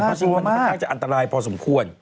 น่ากลังจะอันตรายพอสมควร